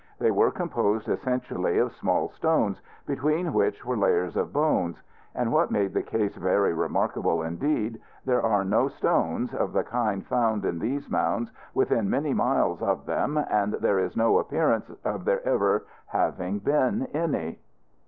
They were composed essentially of small stones, between which were layers of bones. And what made the case very remarkable indeed, there are no stones, of the kind found in these mounds within many miles of them, and there is no appearance of there ever having been any.